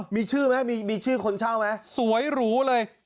มีชื่อไหมมีชื่อคนเช่าไหมสวยหรูเลย